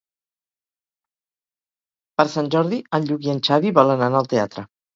Per Sant Jordi en Lluc i en Xavi volen anar al teatre.